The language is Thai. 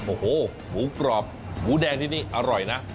โอ้โหหมูกรอบหมูแดงที่นี่อร่อยนะ